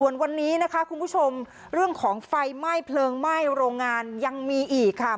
ส่วนวันนี้นะคะคุณผู้ชมเรื่องของไฟไหม้เพลิงไหม้โรงงานยังมีอีกค่ะ